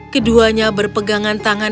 keduanya berpegangan tangan